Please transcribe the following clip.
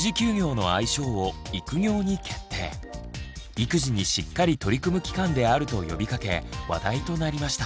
育児にしっかり取り組む期間であると呼びかけ話題となりました。